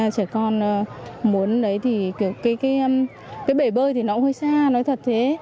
trẻ con muốn đấy thì cái bể bơi thì nó hơi xa nói thật thế